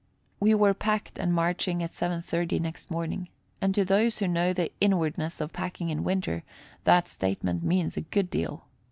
We were packed and marching at 7:30 next morning, and to those who know the inwardness of packing in winter, that statement means a good deal.